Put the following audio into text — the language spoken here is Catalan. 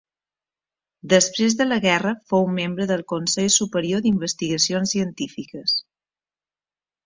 Després de la guerra fou membre del Consell Superior d'Investigacions Científiques.